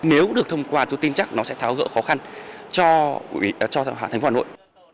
nếu được thông qua tôi tin chắc nó sẽ tháo gỡ khó khăn cho thành phố hà nội